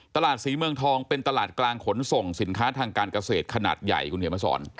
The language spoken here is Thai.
ตลาดศรีเมืองทองเป็นตลาดกลางขนส่งสินค้าทางการเกษตรขนาดใหญ่คุณเขียนมาสอน